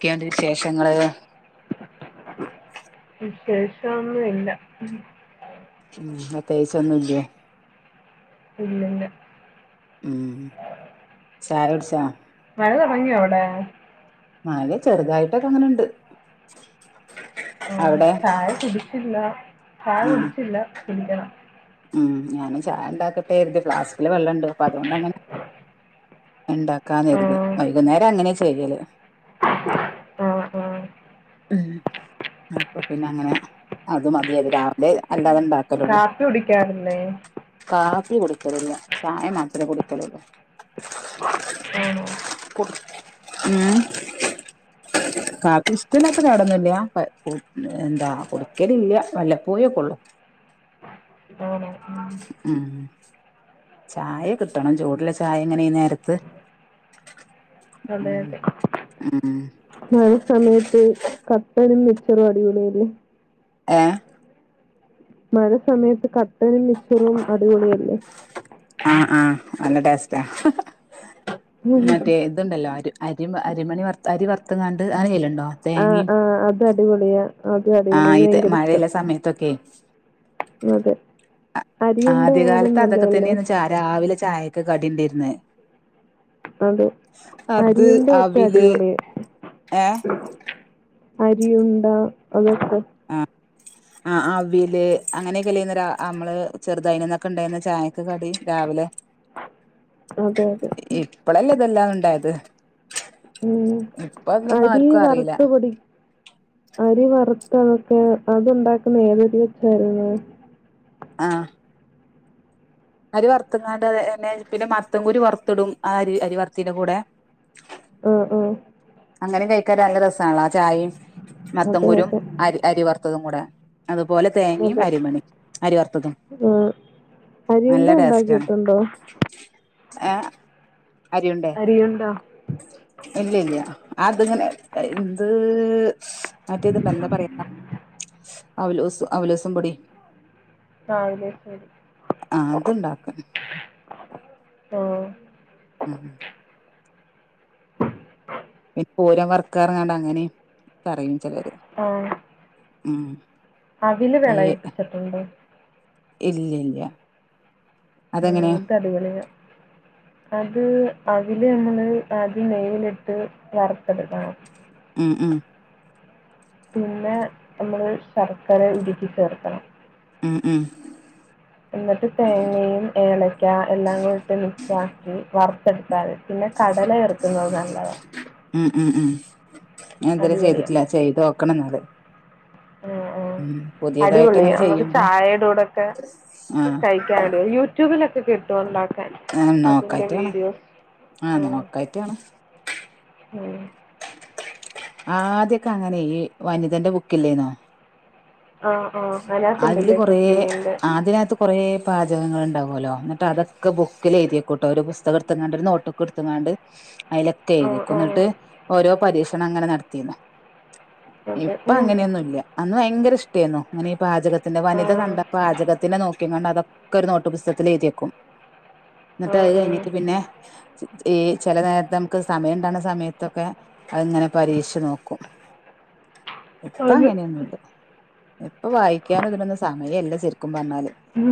ക്കെയൊണ്ട് വിശേഷങ്ങള് വിശേഷം ഒന്നും ഇല്ല ഉം പ്രത്യേകിച്ച് ഒന്നുംഇല്യേ ഇല്ലല്ല ഉം ചായ കുടിച്ചാ മഴ തുടങ്ങിയോ അവ്ടെ മഴ ചെറുതായിട്ടൊക്കെ അങ്ങനെണ്ട് ആ അവിടെ ചായ കുടിച്ചില്ല ചായ ഉം കുടിച്ചില്ല കുടിക്കണം ഉം ഞാനും ചായ ഉണ്ടാക്കട്ടെ കരുതി ഫ്ലാസ്കില് വെള്ളണ്ട് അപ്പൊ അതോണ്ട് അങ്ങനെ ഉണ്ടാക്കാന്ന് ആ, കരുതി വൈകുന്നേരം അങ്ങനെ ചെയ്യല് ആഹ് ആഹ് ഉം അപ്പൊ പിന്നെ അങ്ങനെ അത് മതിന്ന് രാവിലെ ഇണ്ടത് ഇണ്ടാക്കലോള്ളൂ കാപ്പി കുടിക്കാറില്ലേ കാപ്പി കുടിക്കലില്ല ചായ മാത്രമേ കുടിക്കലോള്ളു ആണോ ഉം കാപ്പി ഇഷ്ട്ടല്ലാത്ത കേടൊന്നുല്ല പ കു എന്താ കുടിക്കലില്ല വല്ല പോയും ഒക്കെ ഒള്ളൂ ആണോ ഉം. ഉം ചായ കിട്ടണം ചൂടുള്ള ചായ ഇങ്ങനെ ഇ നേരത്ത് ഉം അതെ അതെ ഉം മഴ സമയത്ത് കത്തടി നി ച്ചറും അടിപൊളി അല്ലെ ഏ മഴ സമയത്ത് കട്ടനും മിച്ചറും അടിപൊളിയല്ലേ ആഹ് ആഹ് നല്ല ടെസ്റ്റാ മറ്റേ ഇതുണ്ടല്ലോ അരു അരി അരിമണി വറത്ത് അരി വറുത്തങ്ങാണ്ട് അങ്ങനെ ചെയ്യല്ലുണ്ടോ ആഹ് ആഹ് അത് അടിപൊളിയാ അത് അടിപൊളിയാ ആഹ് ഇത് എനിക്ക് ഭയങ്കര ഇഷ്ട്ടം മഴയുള്ള സമയത്തൊക്കെ അതെ അരിയുണ്ട ആയാലും ആദ്യകാലത്ത് അതൊക്കെ നല്ലതല്ലേ തന്നെയന്ന് ച്ചാ രാവിലെ ചായക്ക്‌ കടിണ്ടിരന്നെ അതും അരിയുണ്ട ഒക്കെ അവില് അടിപൊളിയാ ഏഹ് അരി ഉണ്ട അതൊ ആഹ് ആ അവില് അങ്ങനെയൊക്കെല്ലായിന്നൊ രാ നമ്മള് ചെറുതയിന ന്നൊക്കെ ഉണ്ടാരുന്ന ചായക്ക് കടി രാവിലെ അതെ അതെ ഇപ്പളല്ലേ ഇതെല്ലാം ഉണ്ടായത് ഉം ഇപ്പൊ അതൊന്നും അരി ആർക്കും അറിയില്ല വറുത്ത് പൊടി അരി വർ നമുക്ക് അത് ഒണ്ടാക്കുന്നെ ഏത് അരി വെച്ചാരുന്നു ആഹ് അരി വറുത്തങ്ങാണ്ട് എണ്ണേ പിന്നെ മത്തൻകുരു വറുത്തിടും ആ അരി അരി വറുത്തിന്റെ കൂടെ ആഹ് ആഹ് അങ്ങനെ കഴിക്കാനും നല്ല രസനല്ലോ ആ ചായിം അതെ മത്തംകുരും അതെ അരി അരി വറുത്തതും കൂടെ അതുപോലെ തേങ്ങയും അതെ അരിമണി അരി വറുത്തതും ആഹ് നല്ല അരിയുണ്ട ടേസ്റ്റാ ഉണ്ടാക്കിയിട്ടുണ്ടോ? ഏ അരിയുണ്ടേ അരിയുണ്ടോ ഇല്ല ല്ല അത്ങ്ങനെ എന്ത് മറ്റേതുണ്ട എന്താ പറയാ അവലോ അവലോസം പൊടി ആ അതെ ശരി ആ അത്ണ്ടാക്കും ആ ഉം [inaudible] ഇ പൂരം വർക്ക [inaudible] അങ്ങനിം പറയും [unintelligible] ഉം അവല് ഏ വെളയിപ്പിച്ചിട്ടുണ്ട് ഇല്ല ല്ല ആ അത [unintelligible] അത് അതില് നമ്മള് അതി നെയ്യിലിട്ട് വർത്തെടുക്കണം ഉം ഉം പിന്നെ നമ്മള് ശർക്കര ഉരുക്കി ചേർക്കണം ഉമ് ഉമ് എന്നിട്ട് തേങ്ങയും ഏലക്ക എല്ലാം കൂട്ട് മിക്സ് ആക്കി വറ വറുത്തെടുത്താല് [unintelligible] പിന്നെ കടല ചേർക്കുന്നത് നല്ലതാ ഉം ഉം ഞാൻ ഇതുവരെ അടിപൊളിയാ ചെയ്തിട്ടില്ല ചെയ്ത് നോക്കണം എന്നാല് ഉം ഉം പുതിയതായിട്ട് അടിപൊളിയ അങ്ങനെ നമുക്ക് ചെയ്യുമ്പോ ചായയുടെ കൂടെക്കെ ആ കഴിക്കാൻ യൂട്യൂബിലൊക്കെ കിട്ടുവാല്ലോ ആ നോക്കായിട്ടാണ് ആ നോക്കായിട്ടാണ് ഉം ആദ്യക്കെ അങ്ങനെ ഈ വനിതന്റെ ബുക്കില്ലേന്നോ ആ ആ അതില് അതിനകത്തുണ്ടല്ലേ കൊറ കുക്കിങ്ങിന്റെ അതിനകത്ത് കൊറ പാചകങ്ങള്ണ്ടാവും ലോ എന്നിട്ട് അതൊക്കെ ബുക്കില എഴുയക്കോട്ടോ ഒരു പുസ്തകം എടുത്തങ്ങാണ്ട് ഒരു നോട്ടുക്ക് എടത്തങ്ങാട്ട് അതിലൊക്ക ആ എഴുതെക്കും ആ ഇന്നട്ട് ഓരോ പരി ണം അങ്ങനെ നടത്തിന്നു അതെ ഇപ്പ ഉം. അങ്ങനെയൊന്നും ഇല്ല അന്ന് ഭയങ്കര ഇഷ് തിന്നു അനെ [unintelligible] പാചകത്തിന്റെ ആ വനിത കണ്ട പാചകത്തിനെ നോക്കീകാണ്ട് അതൊക്കെ ക്കൊരു നോട്ടു പുസ്തകത്തിൽ എഴുതിയക്കും ആ ന്നിട്ട് അയ് ആ കയ്ഞ്ഞിട്ട് പിന്നെ [unintelligible] ഈ ചെല നേരത്ത് നമുക്ക് സമയണ്ടാക്ണ സമയത്തൊക്കെ അതിങ്ങനെ പരീക്ഷിച്ച് നോക്കും ഇപ്പ അത് അങ്ങനെയൊന്നുല്ല ഇപ്പം വായിക്കാനും ഇതിനൊന്നും സമയല്ല ശരിക് ഉം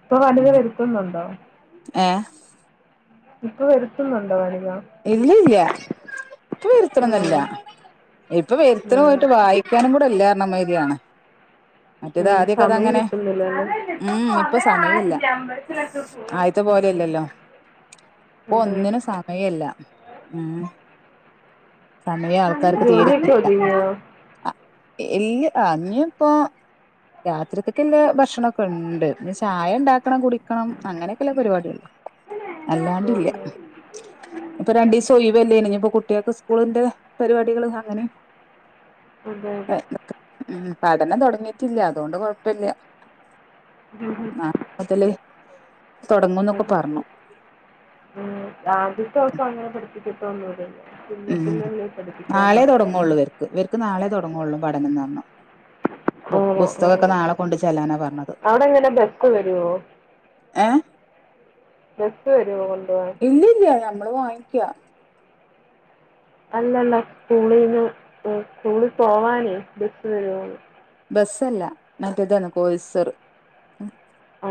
ഇപ്പൊ വനിത വരുത്തുന്നുണ്ടോ ഏ ഇപ്പ വരുത്തുന്നുണ്ടോ വനി ഇല്ലല്ല്യ പ്പൊ വരുത്തണൊന്നുല്ല ആഹ് ഇപ്പൊ വരുത്തണ ആഹ് പോയിട്ട് വായിക്കാനും കൂടെല്ല മ്മേരിയാണ് ഉം സമയം കിട്ടുന്നില്ല ഉം ഇപ്പൊ സമയല്ല ആദ്യത്തെ ഉം പോലെയല്ലല്ലോ ഇപ്പൊ അതെ ഒന്നിനും സമയല്ല ഉം സമയം ആൾക്കാർക്ക് ജോലിയൊക്കെ തീരത്തില്ല ഒതുങ്ങിയോ അ ഇല്ല്യ ഞ്ഞി പ്പൊ രാത്രിക്കക്ക് ല്ലെ ഭക്ഷണൊക്കെണ്ട് ഇനി ചായണ്ടാക്കണം കുടിക്കണം അങ്ങനെയൊക്കെല്ല പരിപാടിയൊള്ളു [unintelligible] ഇസൊയ് വല്ലേ ഇനി ഇപ്പൊ കുട്ടികക്ക് സ്കൂളിന്റെ പരിപാടികള് അങ്ങനെ അതെ അതെ ഉം പഠനം തൊടങ്ങിയിട്ടില്ല അതുകൊണ്ട് കൊഴപ്പല്ല്യ നാളെ മുതല് തൊടങ്ങുംന്നൊക്കെ അതെ പറഞ്ഞു പ്പൊ അങ്ങനെ പടിഞ്ഞു ഇതിത്തെ ഒന്നൂടില്ല ഉം നാളെ തൊടങ്ങുള്ളൂ ഇവർക്ക് ഇവർക്ക് നാളെ തൊടങ്ങുള്ളൂ പഠനം ന്ന് പറഞ്ഞ ബുക് ആണോ പുസ്തകൊക്കെ ആഹ് നാളെ കൊണ്ട് ചെല്ലാനാ പറഞ്ഞത് അവിടെ എങ്ങനെ ബസ് വരുവോ ഏ ബസ് വരുവോ കൊണ്ടുപോവാൻ ഇല്ല്യ ഇല്ല്യ ഞമ്മള് വാങ്ങി ക് യാ അല്ലല്ല സ്കൂളീന്ന് സ്കൂളിൽ പോവാനേ ബസ് വരോന്ന്‌ ബസ്സല്ല മറ്റതാണ് കോയ്സർ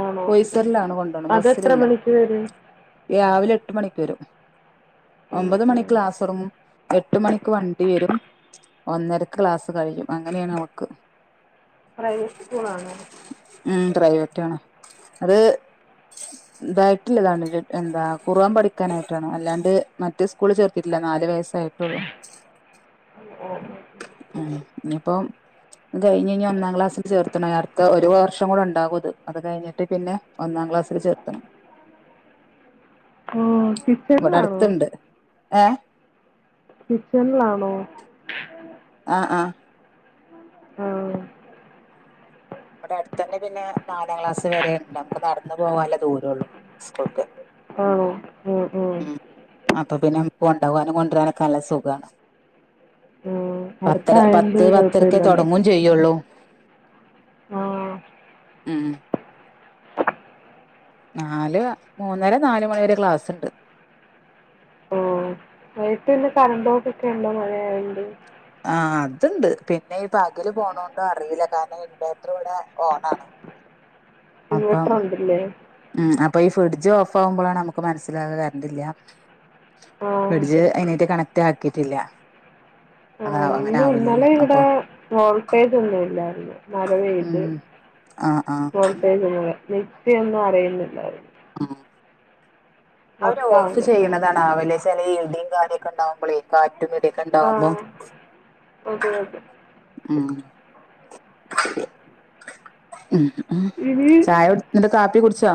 ആണോ ബൊയ്സറിലാണ് കൊണ്ട പോണെ അതെത്ര ബസിലല്ല മണിക്ക് വരും രാവിലെ എട്ട് മണിക്ക് വരും ഉം ഒമ്പത് ഉം മണിക്ലാസോടങ്ങും എട്ട് മണിക്ക് വണ്ടി വരും ഒന്നരക്ക് ക്ലാസ് കഴിയും അങ്ങനെയാണ് അവൾക്ക് പ്രൈവറ്റ് സ്കൂൾ ആണ്. ഉം പ്രൈവറ്റാണ് അത് ഇതായിട്ടില്ലതാണ്ട് എന്താ ഖുർആൻ പഠിക്കാനായിട്ടണോ അല്ലാണ്ട് മറ്റു സ്കൂള് ചേർത്തിട്ടില്ല നാലു വയസായിട്ടള്ളു. ഉം ഇനിയിപ്പോം കഴിഞ്ഞ് ഇനി ഒന്നാം ക്ലാസില് ചേർത്തണം അടുത്ത ഒരു വർഷം കൂടെ ഉണ്ടാകും ഇത് അത് കഴിഞ്ഞിട്ട് പിന്നെ ഒന്നാം ക്ലാസില് ചേർത്തണം. ഓ കിച്ചനിലാണോ? ഏഹ്? കിച്ചണിലാണോ? ആഹ് ആഹ്. ആഹ്. അവിടെ അടുത്ത തന്നെ പിന്നെ നാലാം ക്ലാസ് വരെയുണ്ട് നമുക്ക് നടന്ന പോകാനുള്ള ദൂരമുള്ളൂ സ്കൂൾക്ക്. ആഹ് ഉം ഉം. അപ്പൊ പിന്നെ കൊണ്ടകാനും കൊണ്ടുവരാനൊക്കെ നല്ല സുഖമാണ്. ഉം പത്തര അടുത്തായോണ്ട് പത്ത് പത്തരക്കെ കൊഴപ്പല്ലല്ലോ തുടങ്ങും ചെയ്യുള്ളൂ. ആഹ് ഉം. നാല് മൂന്നര നാല് മണിരെ ക്ലാസ്സ്ണ്ട്. മഴത്തന്നെ കറൻ്റ് പോക്ക് ഒക്കെ ഉണ്ടോ മഴ ആയോണ്ട്? ആഹ് അതുണ്ട് പിന്നെ ഈ പകല് പോണോണ്ട് അറിയില്ല കാരണം ഇൻവേർട്ടർ ഇവിടെ ഓണാണ്. അപ്പം ഇൻവെർട്ടർ ഉണ്ടല്ലേ ഉം അപ്പൊ ഫ്രിഡ്ജ് ഓഫ് ആകുമ്പോഴാണ് നമുക്ക് മനസ്സിലാകാ കരണ്ടില്ല ആഹ് ഫ്രിഡ്ജ് അതിനേട്ട് കണക്ട് ആക്കിട്ടില്ല. ഇന്ന് ഇന്നലെ ഇവിടെ വോൾട്ടേജ് ഒന്നും ഇല്ലായിരുന്നു. മരം വീണിട്ടു ഉം ആഹ് ആഹ് വോൾട്ടേജ് മിക്‌സിയൊന്നും അരയുന്നില്ല. ആഹ്. അവര് ഓഫ് വർക്കാവുന്നില്ലായിരുന്നു ചെയ്യുന്നതാണ് ആവുലെ? ഇടിയും കാര്യൊക്കെ ഉണ്ടാവുമ്പോഴേ [unintelligible] ഉണ്ടാവുമ്പോ ആഹ് അതെ അതെ ഉം. ഉം. ഉം ഇനി ചായ കാപ്പി കുടിച്ചോ?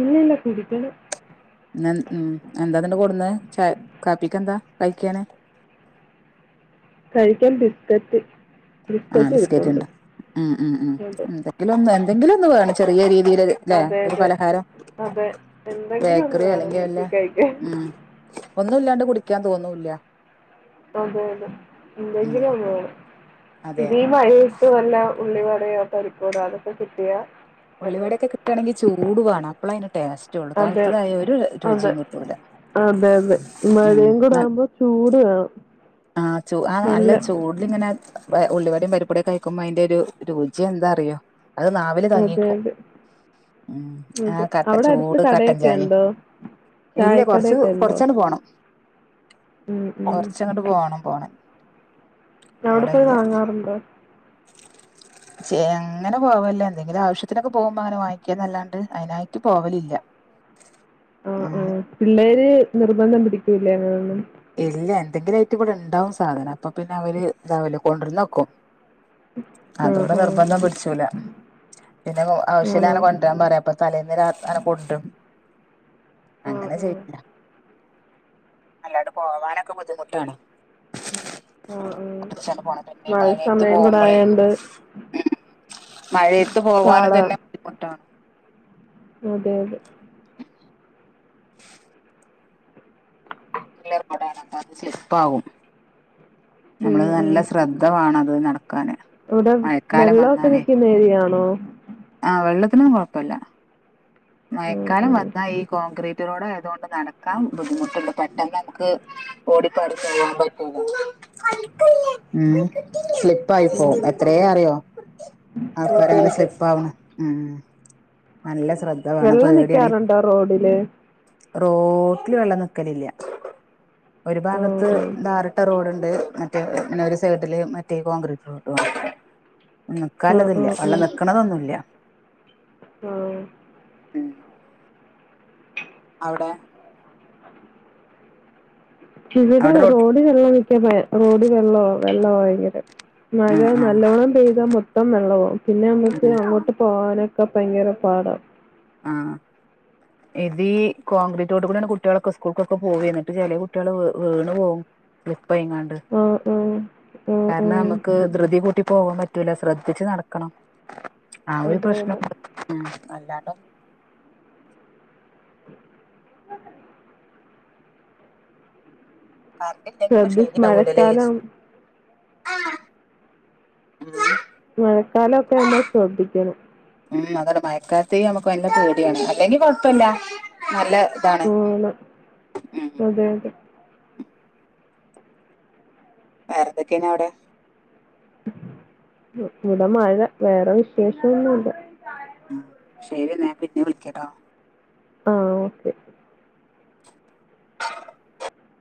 ഇല്ല ഇല്ല കുടിക്കണം. ഉം എന്താണ് ഇന്ന് കൊണ്ടെന്നെ ച കാപ്പിക്ക് എന്താ കഴിക്കാന്? കഴിക്കാൻ ബിസ്ക്കറ്റ് ആഹ് ബിസ്ക്കറ്റ് ബിസ്കറ്റ് ഇരിപ്പുണ്ട് ഉണ്ട ഉം ഉം ഉം എന്തെില എന്തങ്കിലും ഒന്ന് വേണം ചെറിയൊരു ഇതിൽ അതെ ല്ലേ അതെ ഒരു അതെ പലഹാരം അതെ എന്തെങ്കിലും ഒന്ന് ബേക്കറി വേണം അല്ലെങ്കിൽ വല്ല വീട്ടിൽ കഴിക്കാൻ ഉം. ഒന്നുല്ലാണ്ട് കുടിക്കാൻ തോന്നൂല്ല. അതെ അതെ ഉം എന്തെങ്കിലും ഒന്ന് വേണം. അതെ ഇതി മഴയത്ത് വല്ല ഉള്ളിവടയോ പരിപ്പുവടയോ അതൊക്കെ കിട്ടിയാ നല്ലത് ഉള്ളിവടയൊക്കെ കിട്ട്ആണെങ്കി ചൂട് വേണം അപ്പളാ അയിൻ്റ അതെ അതെ കിട്ടൂല അതെയതെ ഉം മഴയും കൂടാവുമ്പം ചൂട് വേണം ആഹ് ചൂ ആ നല്ല ചൂടിലിങ്ങനെ വേ ഉള്ളിവടയും പരിപ്പുവടയൊക്ക കഴിക്കുമ്പ അയിൻ്റൊരു രുചി എന്താ അറിയോ അത് നാവില് അതെ തങ്ങീക്കും അതെ ഉം ആ അതെ കട്ട അവിടെ അടുത്ത് ചൂട് കടയൊക്കെ കട്ടൻചായേം ഉണ്ടോ ഇല്ല്യ കൊറച്ചു ചായക്കടയൊക്കെ ഉണ്ടോ കൊറച്ചാണ്ട് പോണം ഉം ഉം കൊറച്ചങ്ങട് പോണം പോണം അവിട പോയി വാങ്ങാറുണ്ടോ ചേ അങ്ങനെ പോവല്ല എന്തെങ്കിലും ആവശ്യത്തിനൊക്കെ പോവുമ്പോ അങ്ങനെ വാങ്ങിക്ക്യാന്നല്ലാണ്ട് അയിനായിട്ട് പോവലില്ല ആ ആ ഉം പിള്ളേര് നിർബന്ധം പിടിക് കൂലേ അങ്ങനൊന്നും ഇല്ല്യ എന്തെങ്കിലും ആയിറ്റിവിടെ ഇണ്ടാവും സാധനം അപ്പൊ പിന്നെ അവര് ഇതാവല്ലോ കൊണ്ടരോന്നോക്കും ആഹ് അതുകൊണ്ട് ആഹ്. നിർബന്ധം പിടിച്ചൂല പിന്നെ ഓ ആണോ? ആവശ്യലാനെ കൊണ്ടരാൻ പറയാ അപ്പൊ തലേന്ന് രാത് അനെ കൊണ്ട്രും ആഹ് അങ്ങനെ ആഹ്. ചെയ്യില്ല അല്ലാടും പോവാനൊക്കെ ബുദ്ധിമുട്ടാണ് ആഹ് ആഹ്. കുറച്ചാണ്ട് പോണം പിന്നെ മഴ മഴേത്ത് സമയം കൂടെ പോമ്പളേ ഉം ആയോണ്ട് മഴേത്ത് പോവാനും തന്നെ ബുദ്ധിമുട്ടാണ് അതെയതെ [unintelligible] അത് സ്ലിപ്പാവും ഉം ഞമ്മമ്മത് ഉം. നല്ല ശ്രദ്ധ വാണം ഒരു നട അവിടെ വെള്ളൊക്കെ നിക്ക്ന്നേരിയാണോ ആ വെള്ളത്തിനൊന്നും കൊഴപ്പല്ല ഉം മയക്കാലം ഉം. വന്നാ ഈ കോൺക്രീറ്റ് റോഡായതോണ്ട് നടക്കാൻ ബുദ്ധിമുട്ടുണ്ട് പെട്ടെന്ന് നമ്മക്ക് ഓടിപ്പാടി പോവാൻ പറ്റൂല ഉം ഉം. സ്ലിപ്പായിപ്പോം എത്രേ അറിയോ അതെ ആൾക്കാരങ്ങനെ അതെ. സ്ലിപ്പാവ്ണ് ഉം നല്ല സ് വെള്ളം നിക്കാറുണ്ടോ റോഡില് റോട്ടില് വെള്ളം നിക്കലില്ല്യ ഒരു ആഹ് ഭാഗത്ത് ആഹ്. ടാറിട്ട റോഡുണ്ട് മറ്റേ പിന്നെ ഒരു സൈഡില് മറ്റേ കോൺക്രീറ്റ് റോഡുവാണ് ആഹ് നിക്കാല്ലതില്ല ആഹ് വെള്ളം നിക്കണതൊന്നും ഇല്ല ഉം അവിടെ ഇവിടെ അവിടെ റോട്ട് റോഡിൽ വെള്ളം നി ക്കുന്നേ റോഡിൽ വെള്ളവാ വെള്ളവാ ഭയങ്കരം മഴ ആഹ് ആഹ് നല്ലോണം പെയ്താ മൊത്തം വെള്ളവാകും പിന്നെ നമ്മക്ക് ആഹ് അങ്ങോട്ട് പോകാന് ഇപ്പം ഭയങ്കര പാട ആ ഇതീ കോൺക്രീറ്റ് റോഡിൽ കൂടിയാണ് കുട്ടികളൊക്കെ സ്കൂൾക്കൊക്കെ പോവുക എന്നിട്ട് ചെല കുട്ടികള് വി വീണ് പോകും [unintelligible] ആഹ് ആഹ്. ആഹ് കാരണം ആഹ്. നമുക്ക് ധൃതി കൂട്ടി പോവാൻ പറ്റൂല ശ്രദ്ധിച്ച് നടക്കണം ആ ഒരു അതെ പ്രശ്നം അതെ. [inaudible] അല്ലാണ്ട് ശ്രദ്ധിച്ച് മഴക്കാലം [inaudible] ഉം മഴക്കാലൊക്കെ ആവുമ്പോ ശ്രദ്ധിക്കണം ഉം അതാണ് മഴക്കാലത്തേ നമുക്ക് നല്ല പേടിയാണ് അല്ലെങ്കി കൊഴപ്പില്ല നല്ല ഇതാണ് ആണ് ഉം അതെ അതെ വേറെന്തൊക്കെയാണ് അവിടെ ഇവിടെ മഴ വേറെ വിശേഷൊന്നുമില്ല. ഉം ശരിന്നാ ഞാൻ പിന്നെ വിളിക്കട്ടോ? ആ ഓക്കെ.